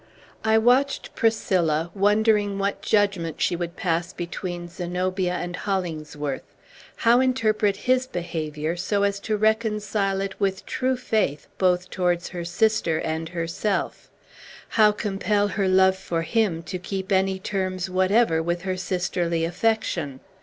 I watched Priscilla, wondering what judgment she would pass between Zenobia and Hollingsworth; how interpret his behavior, so as to reconcile it with true faith both towards her sister and herself; how compel her love for him to keep any terms whatever with her sisterly affection!